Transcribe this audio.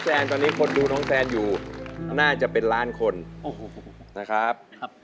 แซนตอนนี้คนดูน้องแซนอยู่น่าจะเป็นล้านคนนะครับ